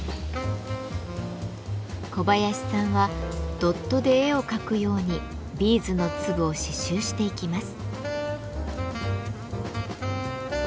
小林さんはドットで絵を描くようにビーズの粒を刺繍していきます。